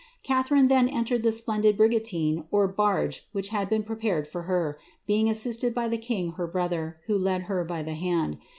Catharine then entered the splendid bri( baige which had been prepared for her, being assisted by the brother, who led her by the hand.